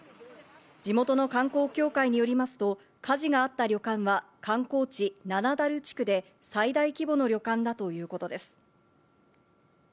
地元の観光協会によりますと、火事があった旅館は観光地・七滝地区で最大規模の旅館だということです。